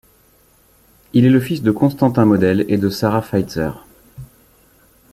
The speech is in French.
Il est le fils de Constantin Model et de Sarah Feitzer.